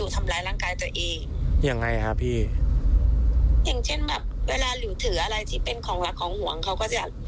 ทำร้ายร่างกายตัวเองยังไงครับพี่อย่างเช่นแบบเวลาหลิวถืออะไรที่เป็นของรักของห่วงเขาก็จะ